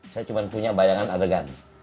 saya cuma punya bayangan adegan